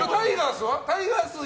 タイガースは？